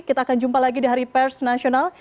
kita akan jumpa lagi di hari pers nasional